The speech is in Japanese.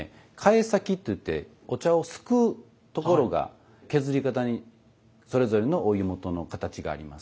櫂先といってお茶をすくうところが削り方にそれぞれのお家元の形があります。